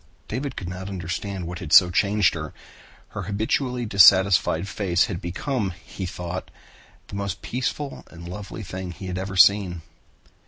David could not understand what had so changed her. Her habitually dissatisfied face had become, he thought, the most peaceful and lovely thing he had ever seen.